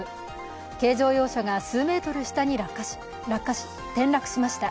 軽乗用車が数メートル下に転落しました。